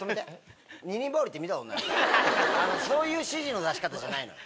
そういう指示の出し方じゃないのよ。